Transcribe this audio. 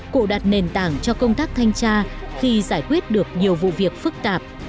cụ đặt nền tảng cho công tác thanh tra khi giải quyết được nhiều vụ việc phức tạp